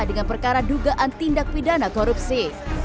dengan perkara dugaan tindak pidana korupsi